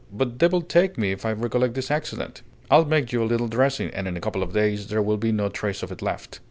But devil take me if I recollect this accident!" "I'll make you a little dressing, and in a couple of days there will be no trace of it left."